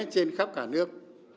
trên khắp cả nước